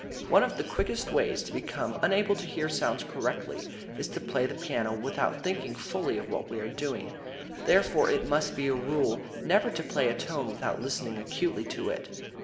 One of the quickest ways to become unable to hear sounds correctly is to play the piano without thinking fully of what we are doing. Therefore it must be a rule never to play a tone without listening acutely to it.